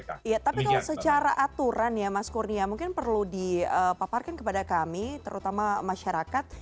iya tapi kalau secara aturan ya mas kurnia mungkin perlu dipaparkan kepada kami terutama masyarakat